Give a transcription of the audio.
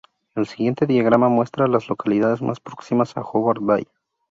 El siguiente diagrama muestra a las localidades más próximas a Hobart Bay.